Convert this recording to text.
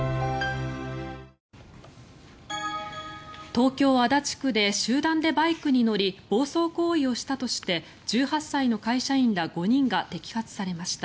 東京・足立区で集団でバイクに乗り暴走行為をしたとして１８歳の会社員ら５人が摘発されました。